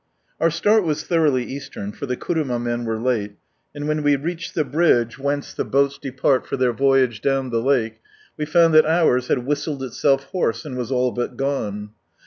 Our start was thoroughly Eastern, for the kuruma men were late, and when we reached the bridge, whence ihe boats depart for their voyage down the lake, we found that ours had whisUed iiself hoarse, and was a!l bnt gone.